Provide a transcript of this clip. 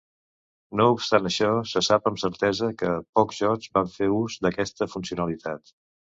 No obstant això, se sap amb certesa que pocs jocs van fer ús d'aquesta funcionalitat.